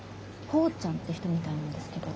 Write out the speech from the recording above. ほーちゃんって人みたいなんですけど。